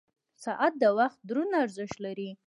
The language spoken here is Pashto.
• ساعت د وخت دروند ارزښت لري.